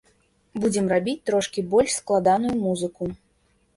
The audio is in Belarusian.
Будзем рабіць трошкі больш складаную музыку.